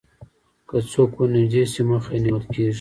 که څوک ورنژدې شي مخه یې نیول کېږي